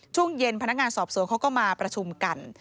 ช่วงเย็นพนักงานสอบสวนเขาก็มาประชุมกัน